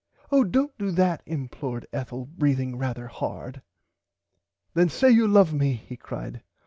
Oh dont do that implored Ethel breathing rarther hard. Then say you love me he cried.